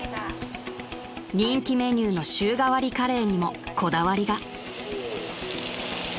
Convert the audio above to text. ［人気メニューの週替わりカレーにもこだわりが］